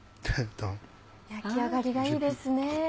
焼き上がりがいいですね。